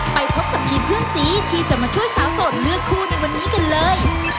ไปพบกับทีมเพื่อนสีที่จะมาช่วยสาวโสดเลือกคู่ในวันนี้กันเลย